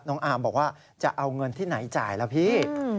น้องอาร์มบอกว่าจะเอาเงินที่ไหนจ่ายล่ะพี่